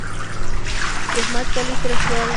د احمد کالي سره شول.